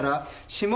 指紋？